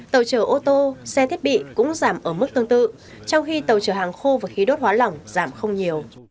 tàu chở ô tô xe thiết bị cũng giảm ở mức tương tự trong khi tàu chở hàng khô và khí đốt hóa lỏng giảm không nhiều